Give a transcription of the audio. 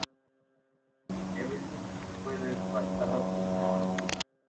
Evelyn fue devastada por su muerte.